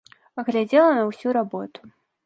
Глядзела на ўсю работу.